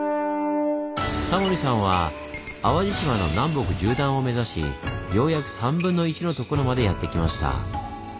タモリさんは淡路島の南北縦断を目指しようやく３分の１のところまでやって来ました。